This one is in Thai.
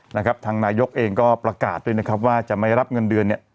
นะครับทางนายกเองก็ประกาศด้วยนะครับว่าจะไม่รับเงินเดือนเนี่ย